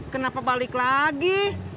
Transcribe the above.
kenapa balik lagi